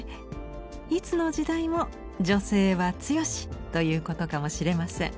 いつの時代も「女性は強し」ということかもしれません。